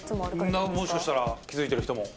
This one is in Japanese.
もしかしたら、気付いてる人